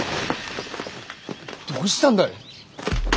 どうしたんだい？